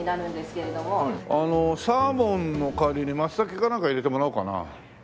あのサーモンの代わりにマツタケかなんか入れてもらおうかな。